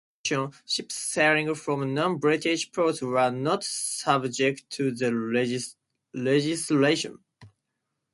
In addition, ships sailing from non-British ports were not subject to the legislation.